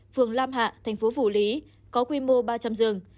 phường lam hạ thành phố phủ lý có quy mô ba trăm linh giường